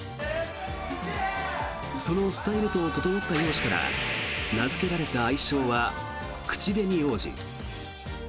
そのスタイルと整った容姿から名付けられた愛称は口紅王子。